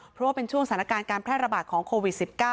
เพราะว่าเป็นช่วงสถานการณ์การแพร่ระบาดของโควิด๑๙